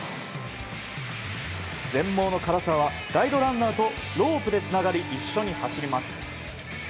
全盲の唐澤は第５ランナーとロープでつながり一緒に走ります。